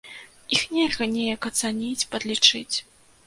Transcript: Іх нельга неяк ацаніць, падлічыць.